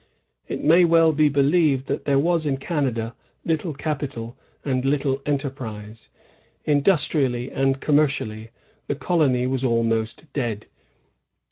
^ It may well be believed that there was in Canada littie capital and Uttie enterprise. Indus trially and commercially, the colony was almost dead.